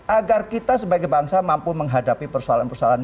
agar kita sebagai bangsa mampu menghadapi persoalan persoalan